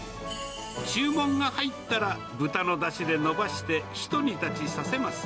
注文が入ったら、豚のだしで伸ばして一煮立ちさせます。